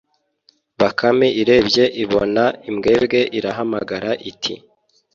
Bakame irebye ibona imbwebwe irahamagara iti